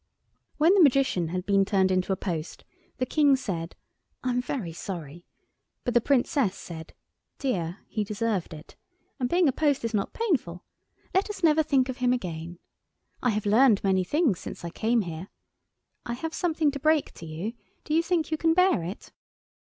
When the Magician had been turned into a post, the King said— "I'm very sorry;" but the Princess said— "Dear, he deserved it. And being a post is not painful. Let us never think of him again. I have learned many things since I came here. I have something to break to you. Do you think you can bear it?"